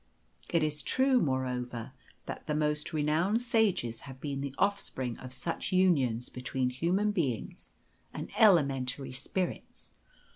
It is true, moreover, that the most renowned sages have been the offspring of such unions between human beings and elementary spirits.